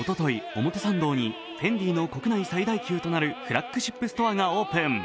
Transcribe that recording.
表参道にＦＥＮＤＩの国内最大級となるフラッグシップストアがオープン。